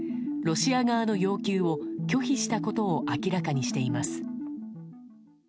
ロシア側の要求を拒否したことを明らかにしています。